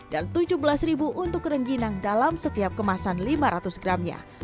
dan tujuh belas ribu untuk rengginang dalam setiap kemasan lima ratus gramnya